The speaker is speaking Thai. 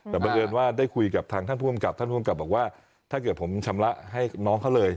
แต่บังเอิญว่าได้คุยกับทางท่านผู้กำกับท่านผู้กำกับบอกว่าถ้าเกิดผมชำระให้น้องเขาเลย